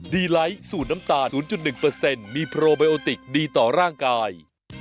ไลท์สูตรน้ำตาล๐๑มีโปรไบโอติกดีต่อร่างกาย